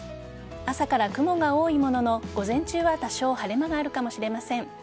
朝から雲が多いものの午前中は多少晴れ間があるかもしれません。